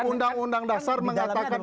undang undang dasar mengatakan